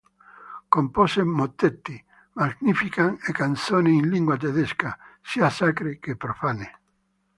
Compose mottetti, Magnificat e canzoni in lingua tedesca, sia sacre che profane.